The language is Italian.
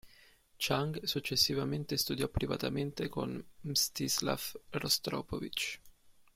Chang successivamente studiò privatamente con Mstislav Rostropovich.